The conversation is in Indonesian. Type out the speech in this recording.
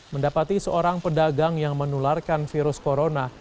mendapati seorang pedagang yang menularkan virus corona